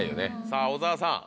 さぁ小澤さん。